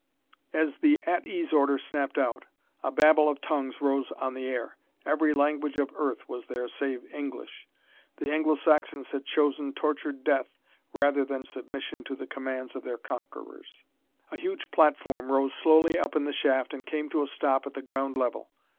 As the "At ease" order snapped out a babel of tongues rose on the air. Every language of Earth was there save English. The Anglo Saxons had chosen tortured death rather than submission to the commands of their conquerors. A huge platform rose slowly up in the shaft and came to a stop at the ground level.